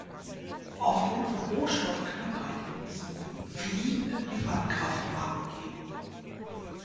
Aufgrund von Rohstoffknappheit wird es nie fliegende Privatkraftwagen geben.